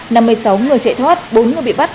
năm mươi sáu người chạy thoát bốn người bị bắt